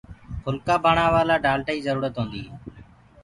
ڦُلڪآ بڻآوآ لآ ڊآلٽآ ڪيٚ جرورتَ هونٚدي هي